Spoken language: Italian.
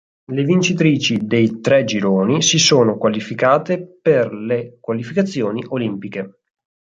Le vincitrici dei tre gironi si sono qualificate per le qualificazioni olimpiche.